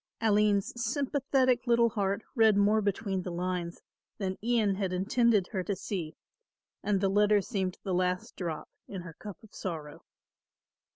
Aline's sympathetic little heart read more between the lines than Ian had intended her to see and the letter seemed the last drop in her cup of sorrow.